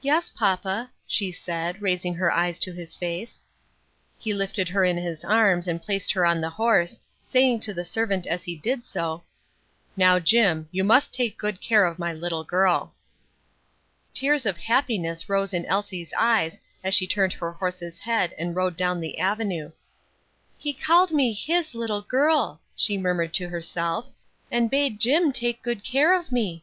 "Yes, papa," she said, raising her eyes to his face. He lifted her in his arms and placed her on the horse, saying to the servant as he did so, "Now, Jim, you must take good care of my little girl." Tears of happiness rose in Elsie's eyes as she turned her horse's head and rode down the avenue. "He called me his little girl," she murmured to herself, "and bade Jim take good care of me.